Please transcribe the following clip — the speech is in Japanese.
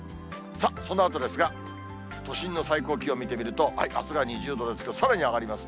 さあ、そのあとですが、都心の最高気温見てみると、あすが２０度ですけど、さらに上がります。